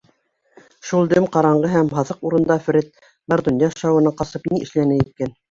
Шул дөм ҡараңғы һәм һаҫыҡ урында Фред бар донъя шауынан ҡасып ни эшләне икән?